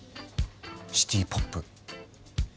シティ・ポップ。